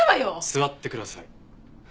座ってください。